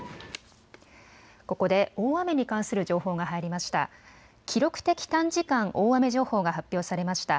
ここで大雨に関する情報が入りました。